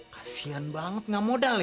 kasian banget nggak modal ya